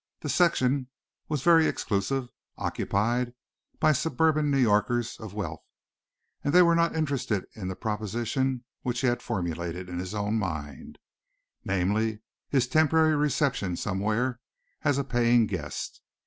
The section was very exclusive, occupied by suburban New Yorkers of wealth, and they were not interested in the proposition which he had formulated in his own mind, namely his temporary reception somewhere as a paying guest.